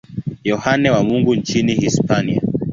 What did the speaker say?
Yohane wa Mungu nchini Hispania.